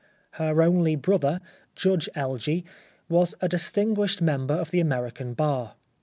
Her only brother, Judge Elgee, was a distinguished member of the American bar.